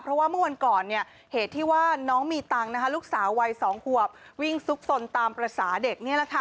เพราะว่าเมื่อวันก่อนเหตุที่ว่าน้องมีตังค์ลูกสาววัย๒ขวบวิ่งซุกสนตามภาษาเด็กนี่แหละค่ะ